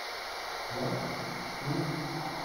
Quoi ? Où ?